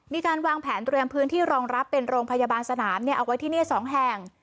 มีการวางแผนเตรียมพื้นที่รองรับเป็นโรงพยาบาลสนามเอาไว้ที่นี่๒แห่ง